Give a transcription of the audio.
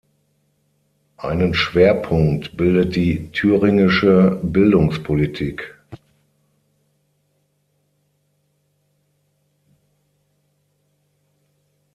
Einen Schwerpunkt bildet die Thüringische Bildungspolitik.